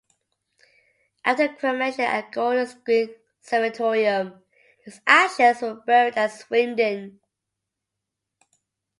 After cremation at Golders Green Crematorium, his ashes were buried at Swindon.